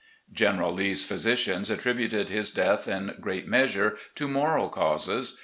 "General Lee's physicians attributed his death in great measure to moral causes.